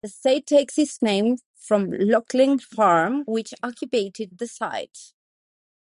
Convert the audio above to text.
The estate takes its name from Lockleaze Farm, which occupied the site.